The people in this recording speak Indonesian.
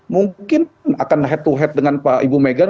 mungkin akan head to head dengan pak ibu mega